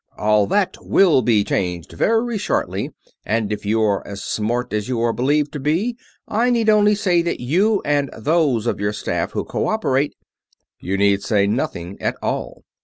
"All that will be changed very shortly, and if you are as smart as you are believed to be, I need only say that you and those of your staff who cooperate...." "You need say nothing at all."